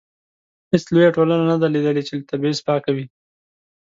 هیڅ لویه ټولنه نه ده لیدلې چې له تبعیض پاکه وي.